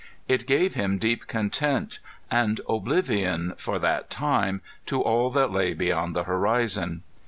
It gave him deep content and oblivion for that time to all that lay beyond the horizon.